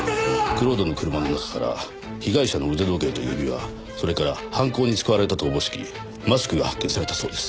蔵人の車の中から被害者の腕時計と指輪それから犯行に使われたとおぼしきマスクが発見されたそうです。